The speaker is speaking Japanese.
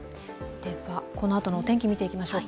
このあとのお天気見ていきましょうか。